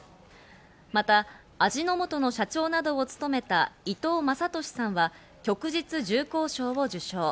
また、味の素の社長などを務めた伊藤雅俊さんは旭日重光章を受章。